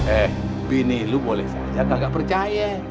eh bini lu boleh saja kagak percaya